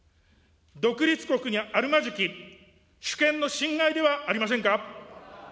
独立国にあるまじき、主権の侵害ではありませんか。